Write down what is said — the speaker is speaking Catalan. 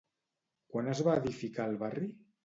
Quan es va edificar el barri?